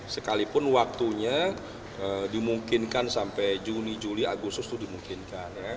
sekalipun waktunya dimungkinkan sampai juni juli agustus itu dimungkinkan